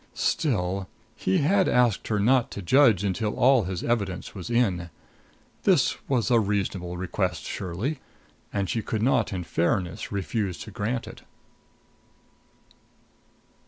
Still he had asked her not to judge until all his evidence was in. This was a reasonable request surely, and she could not in fairness refuse to grant it.